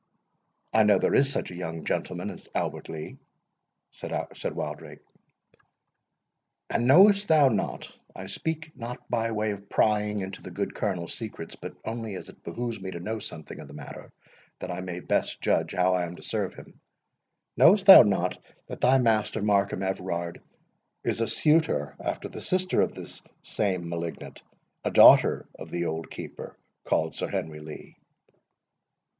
"I know there is such a young gentleman as Albert Lee," said Wildrake. "And knowest thou not—I speak not by way of prying into the good Colonel's secrets, but only as it behoves me to know something of the matter, that I may best judge how I am to serve him—Knowest thou not that thy master, Markham Everard, is a suitor after the sister of this same malignant, a daughter of the old Keeper, called Sir Henry Lee?"